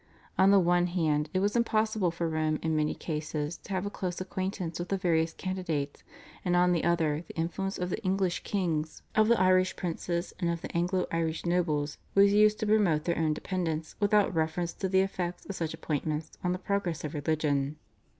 On the one hand it was impossible for Rome in many cases to have a close acquaintance with the various candidates, and on the other the influence of the English kings, of the Irish princes, and of the Anglo Irish nobles was used to promote their own dependents without reference to the effects of such appointments on the progress of religion.